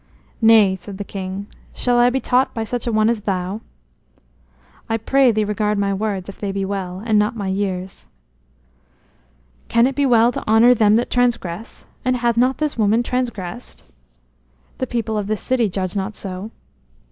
"Nay," said the king; "shall I be taught by such an one as thou?" "I pray thee regard my words, if they be well, and not my years." "Can it be well to honor them that transgress? And hath not this woman transgressed?" "The people of this city judge not so."